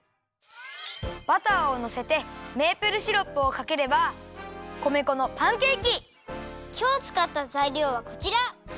バターをのせてメープルシロップをかければきょうつかったざいりょうはこちら。